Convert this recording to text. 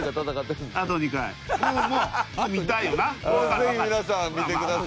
ぜひ皆さん見てください。